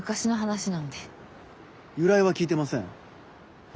由来は聞いてません。